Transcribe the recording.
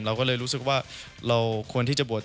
เราก็เลยรู้สึกว่าเราควรที่จะบวช